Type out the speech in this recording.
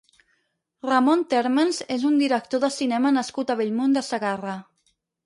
Ramon Térmens és un director de cinema nascut a Bellmunt de Segarra.